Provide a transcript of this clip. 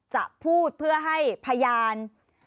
จะพูดเพื่อให้พยาน